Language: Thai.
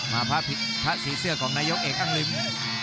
พระสีเสื้อของนายกเอกอังลิม